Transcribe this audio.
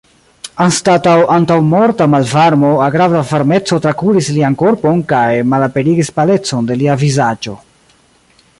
Anstataŭ antaŭmorta malvarmo agrabla varmeco trakuris lian korpon kaj malaperigis palecon de lia vizaĝo.